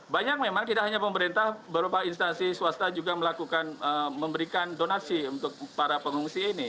banyak memang tidak hanya pemerintah beberapa instansi swasta juga melakukan memberikan donasi untuk para pengungsi ini